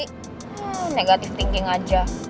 hmm negatif thinking aja